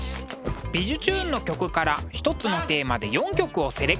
「びじゅチューン！」の曲から一つのテーマで４曲をセレクト。